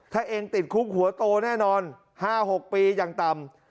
ถ้าเองติดคุกหัวโตแน่นอน๕๖ปีอย่างต่ำ